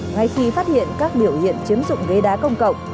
ngay khi phát hiện các biểu hiện chiếm dụng ghế đá công cộng